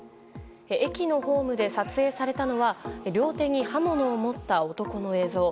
駅のホームで撮影されたのは両手に刃物を持った男の映像。